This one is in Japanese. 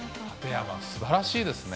すばらしいですね。